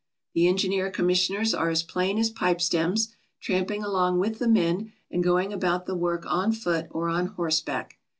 The engineer commissioners are as plain as pipe stems, tramping along with the men and going about the work on foot or on horseback.